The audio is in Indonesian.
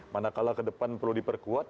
manakala ke depan perlu diperkuat